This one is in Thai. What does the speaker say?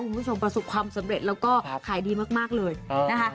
คุณผู้ชมประสุนความสำเร็จแล้วก็ครับขายดีมากมากเลยอืมนะคะ